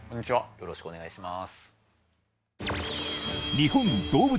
よろしくお願いします